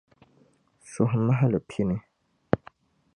Suhumahili pini.